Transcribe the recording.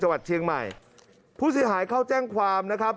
วัดเชียงใหม่ผู้เสียหายเข้าแจ้งความนะครับ